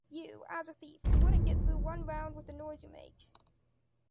You, as a thief, you wouldn’t get through one round with the noise you make.